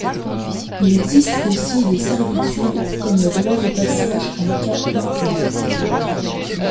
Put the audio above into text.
Il existe aussi des servitudes comme le droit de passage en cas d'enclaves.